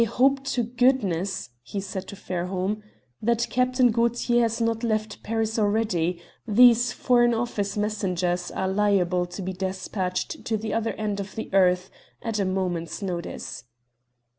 "I hope to goodness," he said to Fairholme, "that Captain Gaultier has not left Paris already; these Foreign Office messengers are liable to be despatched to the other end of the earth at a moment's notice."